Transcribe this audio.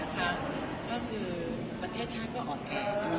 ก็คือประเทศชาติก็อ่อนแอ